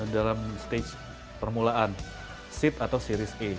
dalam stage permulaan seat atau series a